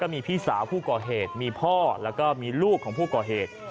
มีพี่สาวผู้ก่อเหตุมีพ่อแล้วก็มีลูกของผู้ก่อเหตุ